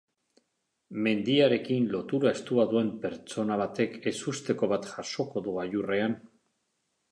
Mendiarekin lotura estua duen pertsona batek ezusteko bat jasoko du gailurrean.